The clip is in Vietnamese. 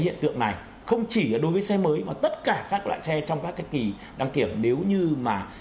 hiện tượng này không chỉ đối với xe mới mà tất cả các loại xe trong các kỳ đăng kiểm nếu như mà